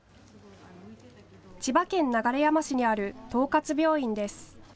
千葉県流山市にある東葛病院です。